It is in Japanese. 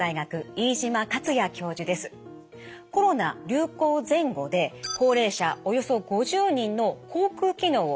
コロナ流行前後で高齢者およそ５０人の口くう